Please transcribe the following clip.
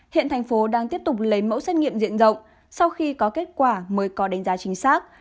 hiện thành phố đang tiếp tục lấy mẫu xét nghiệm diện rộng sau khi có kết quả mới có đánh giá chính xác